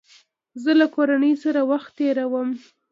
زه له کورنۍ سره وخت تېرووم.